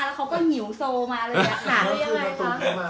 แล้วเค้าก็หงิวโซมาเลยค่ะ